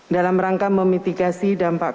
dalam rangkaian ini kita akan berkata